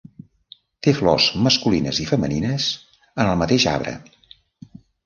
Té flors masculines i femenines en el mateix arbre.